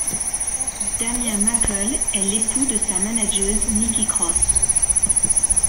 Damian Mackle est l'époux de sa manageuse Nikki Cross.